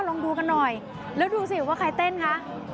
ลองดูกันหน่อยแล้วดูสิว่าใครเต้นคะ